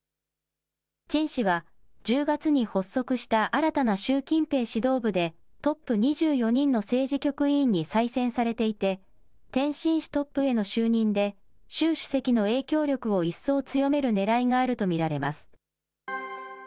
陳氏は１０月に発足した新たな習近平指導部でトップ２４人の政治局委員に再選されていて、天津市トップへの就任で、習主席の影響力を一層強めるねらいがあると見られます。